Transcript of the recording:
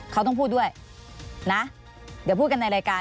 เขาต้องพูดด้วยนะเดี๋ยวพูดกันในรายการ